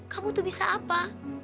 kamu tuh bisa apa